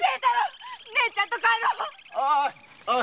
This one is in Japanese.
おい！